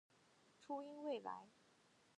初音未来